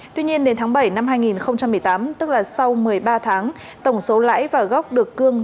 tuy nhiên đến tháng bảy năm hai nghìn một mươi tám tức là sau một mươi ba tháng tổng số lãi và gốc được cương